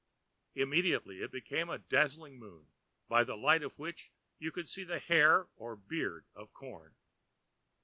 Immediately it became a dazzling moon, by the light of which you could have seen a hair or a beard of corn.